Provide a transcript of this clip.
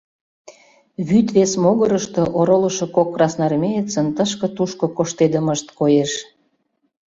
Вӱд вес могырышто оролышо кок красноармеецын тышке-тушко коштедымышт коеш...